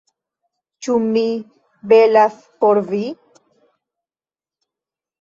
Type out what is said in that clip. Ĉu mi belas por vi?